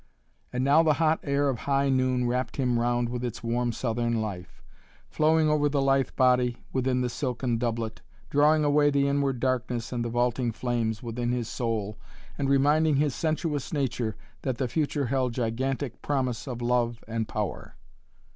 And now the hot air of high noon wrapped him round with its warm southern life, flowing over the lithe body within the silken doublet, drawing away the inward darkness and the vaulting flames within his soul and reminding his sensuous nature that the future held gigantic promise of love and power.